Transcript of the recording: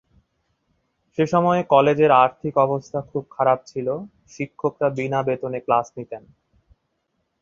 সেসময়ে কলেজের আর্থিক অবস্থা খুব খারাপ ছিল, শিক্ষকরা বিনা বেতনে ক্লাস নিতেন।